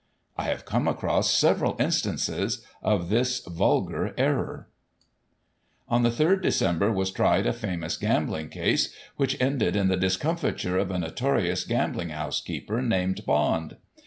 I have come across several instances of this vulgar error. On the 3rd Dec was tried a famous gambling case which ended in the discomfiture of a notorious gaming house keeper, named Bond.